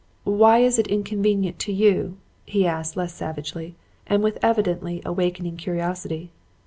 "'Why is it inconvenient to you?' he asked less savagely and with evidently awakening curiosity.